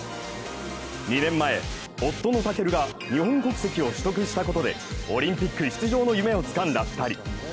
２年前、夫の武尊が日本国籍を取得したことでオリンピック出場の夢をつかんだ２人。